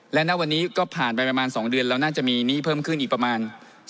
และณวันนี้ก็ผ่านไปประมาณ๒เดือนแล้วน่าจะมีหนี้เพิ่มขึ้นอีกประมาณ